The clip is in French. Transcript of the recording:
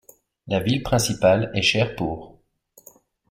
La ville principale est Sherpur.